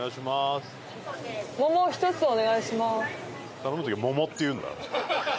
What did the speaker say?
頼む時桃って言うんだ。